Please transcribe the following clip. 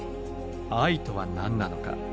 愛とは何なのか？